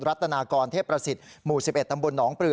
รัฐนากรเทพประสิทธิ์หมู่๑๑ตำบลหนองปลือ